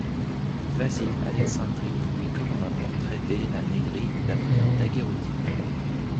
Vasile Alecsandri lui commande un portrait d’Elena Negri d’après un daguerréotype.